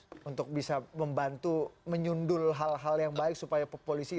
untuk bisa membantu menyundul hal hal yang baik supaya polisi